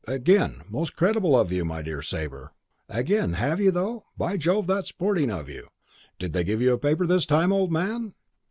"Again! most creditable of you, my dear Sabre." "Again, have you, though? By Jove, that's sporting of you. Did they give you a paper this time, old man?"